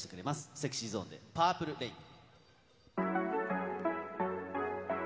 ＳｅｘｙＺｏｎｅでＰｕｒｐｌｅＲａｉｎ。